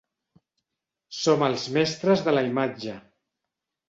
Som els mestres de la imatge.